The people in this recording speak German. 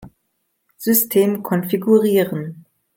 System konfigurieren.